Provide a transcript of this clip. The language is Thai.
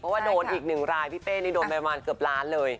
เพราะว่าโดนอีกหนึ่งรายพี่เป้นี่โดนไปประมาณเกือบล้านเลย